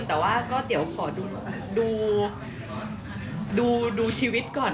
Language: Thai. แต่ว่าก็เดี๋ยวขอดูชีวิตก่อน